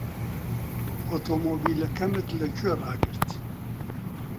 ئۆتۆمۆبیلەکەمت لەکوێ ڕاگرت؟